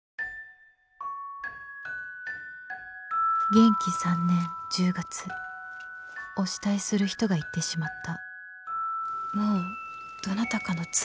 「元亀三年十月お慕いする人が逝ってしまった」。